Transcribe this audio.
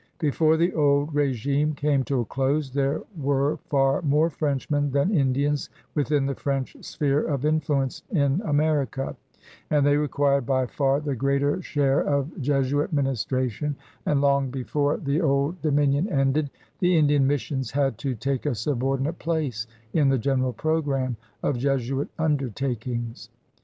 Before the old regime came to a close there were far more Frenchmen than Indians within the French sphere of influence in America, and they reqxiired by far the greater share of Jesuit ministration, and, long before the THE CHURCH IN NEW FRANCE 188 old dominion ended, the Indian missions had to take a subordinate place in the general program of Jesuit undertakings.